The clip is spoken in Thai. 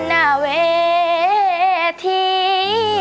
นาเวที